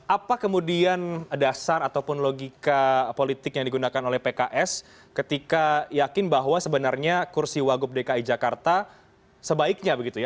apa kemudian dasar ataupun logika politik yang digunakan oleh pks ketika yakin bahwa sebenarnya kursi wagub dki jakarta sebaiknya begitu ya